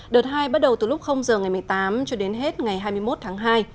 đợt hai bắt đầu từ lúc giờ ngày một mươi tám cho đến hết ngày hai mươi một tháng hai